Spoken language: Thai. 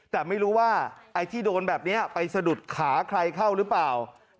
แต่ไม่รู้ว่าไอ้ที่โดนแบบนี้ไปสะดุดขาใครเข้าหรือเปล่า